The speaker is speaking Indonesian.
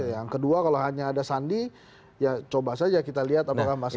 yang kedua kalau hanya ada sandi ya coba saja kita lihat apakah masih